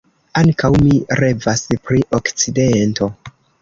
Ankaŭ mi revas pri Okcidento.